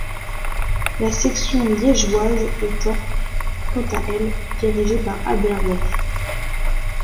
La section liégeoise était, quant à elle, dirigée par Albert Wolf.